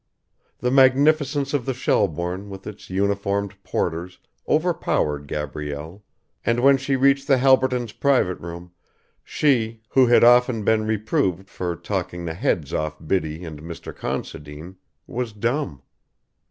The magnificence of the Shelbourne with its uniformed porters overpowered Gabrielle, and when she reached the Halbertons' private room, she, who had often been reproved for talking the heads off Biddy and Mr. Considine, was dumb.